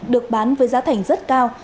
được bán với giá thành rất cao